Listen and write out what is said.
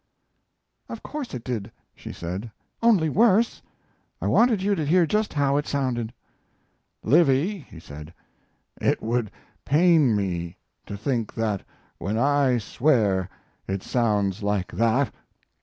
"Of course it did," she said, "only worse. I wanted you to hear just how it sounded." "Livy," he said, "it would pain me to think that when I swear it sounds like that.